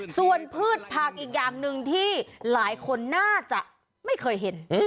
ส่วนพืชผักอีกอย่างหนึ่งที่หลายคนน่าจะไม่เคยเห็น